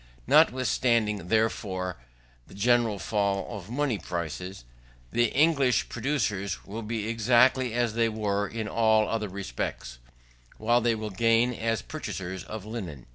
Notwithstanding, therefore, the general fall of money prices, the English producers will be exactly as they were in all other respects, while they will gain as purchasers of linen.